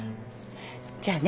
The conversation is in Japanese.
じゃあね。